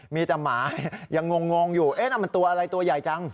มีแต่หมายังงงอยู่เอ๊ะนั่นมันตัวอะไรตัวใหญ่จัง